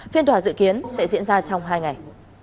phiên tòa dự kiến sẽ diễn ra trong hai ngày